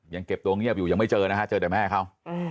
ยังเก็บตัวเงียบอยู่ยังไม่เจอนะฮะเจอแต่แม่เขา